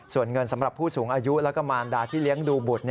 ส่วนเงินสำหรับผู้สูงอายุแล้วก็มารดาที่เลี้ยงดูบุตร